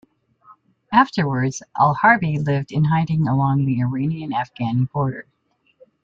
Afterwards, Al-Harbi lived in hiding along the Iranian-Afghani border.